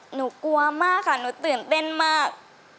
หนูกลัวมากค่ะหนูตื่นเต้นมาก